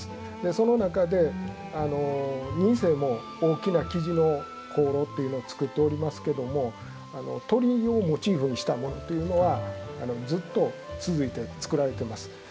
その中で仁清も大きなきじの香炉というのを作っておりますけども鳥をモチーフにしたものというのはずっと続いて作られてます。